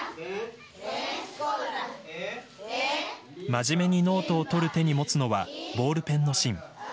真面目にノートを取る手に持つのは、ボールペンの芯。